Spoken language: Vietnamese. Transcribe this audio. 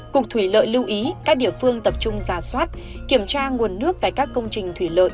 cục thủy lợi lưu ý các địa phương tập trung giả soát kiểm tra nguồn nước tại các công trình thủy lợi